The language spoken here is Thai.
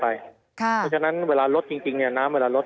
เพราะฉะนั้นเวลาลดจริงน้ำเวลาลด